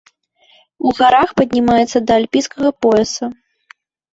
У гарах паднімаецца да альпійскага пояса.